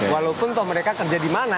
walaupun toh mereka kerja dimana